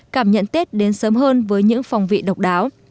cảm nhận tết đến sớm hơn với những phòng vị độc đáo